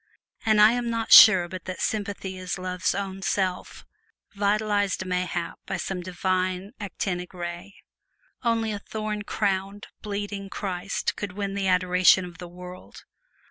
And I am not sure but that sympathy is love's own self, vitalized mayhap by some divine actinic ray. Only a thorn crowned, bleeding Christ could win the adoration of the world.